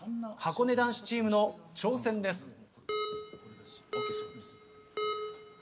はこね男子チームの挑戦です。